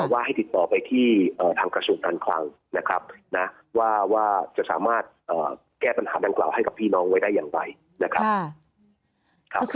ว่าให้ติดต่อไปที่ทางกระทรวงการคลังนะครับนะว่าจะสามารถแก้ปัญหาดังกล่าวให้กับพี่น้องไว้ได้อย่างไรนะครับ